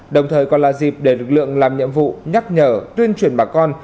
đồng thời còn là dịp để lực lượng làm nhiệm vụ nhắc nhở tuyên truyền bà con